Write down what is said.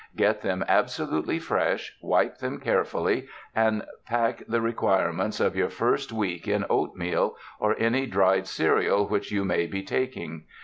Get them absolutely fresh, wipe them carefully, and pack the requirements of your first week in oatmeal or any dried cereal which you may be taking.